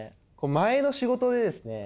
前の仕事でですね